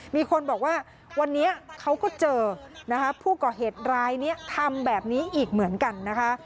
มีคนบอกว่าวันนี้เขาก็เจอนะคะผู้ก่อเหตุรายนี้ทำแบบนี้อีกเหมือนกันนะคะ